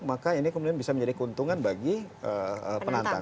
maka ini kemudian bisa menjadi keuntungan bagi penantang